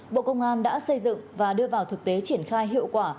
bộ công an đã xây dựng và đưa vào thực tế triển khai hiệu quả